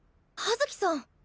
葉月さん！